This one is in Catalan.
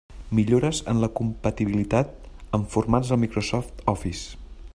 Millores en la compatibilitat amb formats del Microsoft Office.